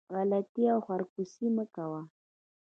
غلطي او خرکوسي مه کوئ